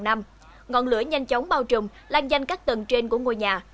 ngọn lửa nhanh chóng bao trùm lan danh các tầng trên của ngôi nhà